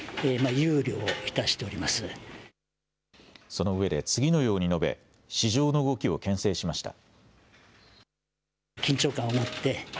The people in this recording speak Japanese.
そのうえで次のように述べ市場の動きをけん制しました。